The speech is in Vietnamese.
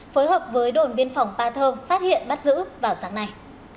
phối hợp với đồn biên phòng ba thơm phát hiện bắt giữ vào sáng nay